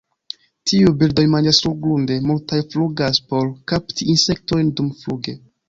Tiuj birdoj manĝas surgrunde, multaj flugas por kapti insektojn dumfluge.